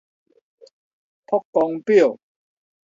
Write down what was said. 曝光錶